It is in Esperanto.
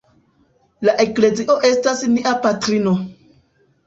La Eklezio estas nia patrino.